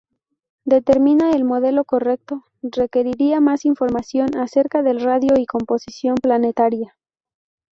Determinar el modelo correcto requeriría más información acerca del radio y composición planetaria.